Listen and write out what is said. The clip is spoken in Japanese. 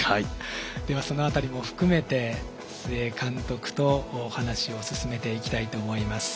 ではその辺りも含めて須江監督とお話を進めていきたいと思います。